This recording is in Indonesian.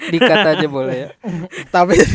dikat aja boleh ya